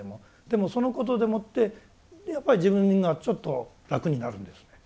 でもそのことでもってやっぱり自分がちょっと楽になるんですね。